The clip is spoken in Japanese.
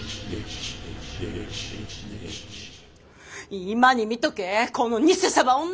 今に見とけこのニセサバ女！